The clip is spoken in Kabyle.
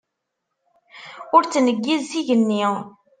Ur ttneggiz s igenni.